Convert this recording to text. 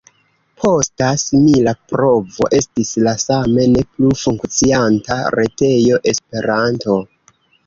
Posta simila provo estis la same ne plu funkcianta retejo Esperanto.